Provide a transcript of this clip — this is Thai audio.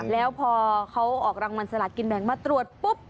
แล้วพอเขาออกรางวัลสลากินแบ่งมาตรวจปุ๊บ